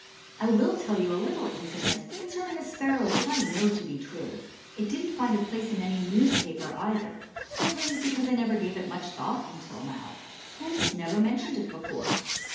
I will tell you a little incident concerning a sparrow which I know to be true. It didn't find a place in any newspaper, either, simply because I never gave it much thought until now, hence never mentioned it before.